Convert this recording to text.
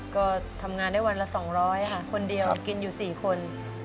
ก็ทำงานได้วันละ๒๐๐ค่ะคนเดียวกินอยู่๔คน